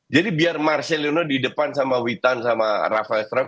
jadi biar marcelino di depan sama witan sama rafa estraf